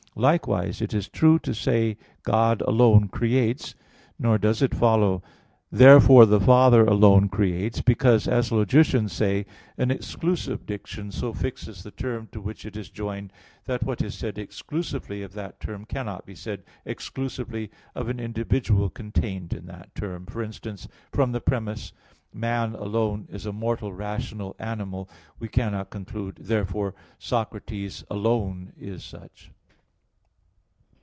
Likewise it is true to say God alone creates; nor, does it follow, "therefore the Father alone creates," because, as logicians say, an exclusive diction so fixes the term to which it is joined that what is said exclusively of that term cannot be said exclusively of an individual contained in that term: for instance, from the premiss, "Man alone is a mortal rational animal," we cannot conclude, "therefore Socrates alone is such."